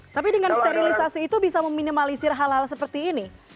tapi dengan sterilisasi itu bisa meminimalisir hal hal seperti ini